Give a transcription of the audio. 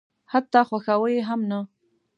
حتی خواښاوه یې هم نه.